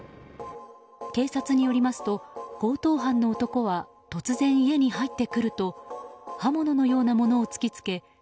警察によりますと強盗犯の男は突然、家に入ってくると刃物のようなものを突き付け